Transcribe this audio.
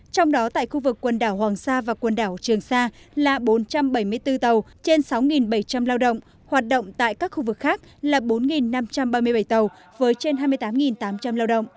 trong đó tại khu vực quần đảo hoàng sa và quần đảo trường sa là bốn trăm bảy mươi bốn tàu trên sáu bảy trăm linh lao động hoạt động tại các khu vực khác là bốn năm trăm ba mươi bảy tàu với trên hai mươi tám tám trăm linh lao động